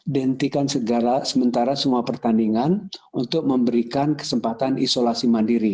dihentikan sementara semua pertandingan untuk memberikan kesempatan isolasi mandiri